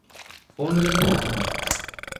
Он ревнует меня!